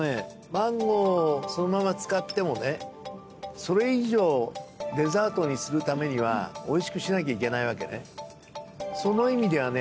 マンゴーをそのまま使ってもねそれ以上デザートにするためにはおいしくしなきゃいけないわけねその意味ではね